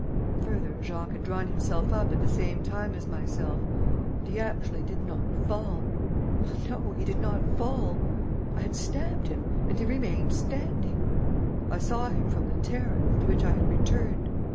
Further, Jacques had drawn himself up at the same time as myself; and he actually did not fall. No, he did not fall! I had stabbed him; and he remained standing! I saw him from the terrace, to which I had returned.